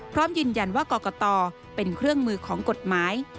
พร้อมยืนยันว่ากรกตเป็นเครื่องมือของกฎหมาย